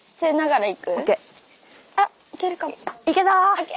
ＯＫ。